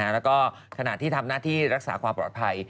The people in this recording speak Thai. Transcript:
แล้วก็ขณะที่ทำหน้าที่รักษาความปลอดภัย